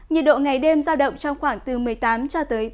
nhiệt độ ngày đêm giao động trong khoảng từ một mươi tám cho tới ba mươi